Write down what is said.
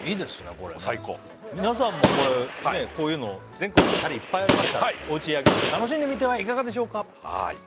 これね最高皆さんもこれこういうの全国にタレいっぱいありますからおうち焼肉楽しんでみてはいかがでしょうか？